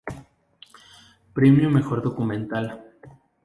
Premio Mejor Documental.